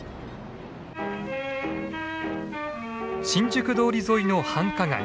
新宿通り沿いの繁華街。